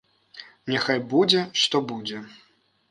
Няхай будзе, што будзе.